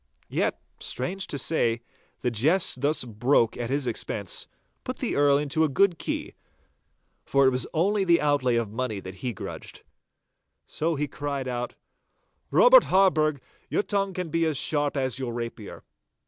Yet, strange to say, the jest thus broken at his expense, put the Earl into a good key, for it was only the outlay of money that he grudged. So he cried out, 'Robert Harburgh, your tongue can be as sharp as your rapier.